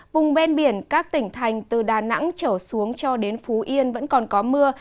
vùng ven biển các tỉnh thành từ đà nẵng trở xuống cho đến phú yên vẫn còn có mưa